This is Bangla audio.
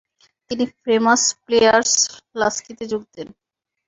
তিনি ফেমাস প্লেয়ার্স-লাস্কিতে যোগ দেন।